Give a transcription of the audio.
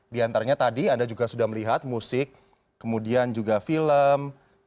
di antaranya tadi anda juga sudah melihat musik kemudian juga film